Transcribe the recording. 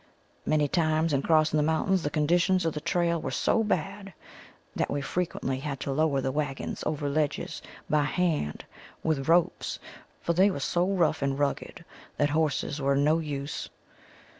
Many times in crossing the mountains the conditions of the trail were so bad that we frequently had to lower the wagons over ledges by hand with ropes for they were so rough and rugged that horses were of no use.